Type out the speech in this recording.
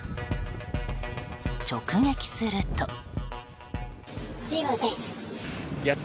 直撃すると。